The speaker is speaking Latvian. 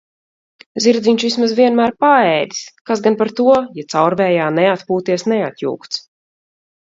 Zirdziņš vismaz vienmēr paēdis kas gan par to, ja caurvējā, neatpūties, neatjūgts.